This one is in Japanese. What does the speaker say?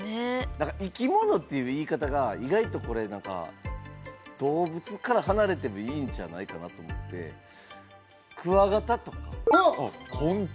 何か生き物っていう言い方が意外とこれ何か動物から離れてもいいんじゃないかなと思ってクワガタとか昆虫？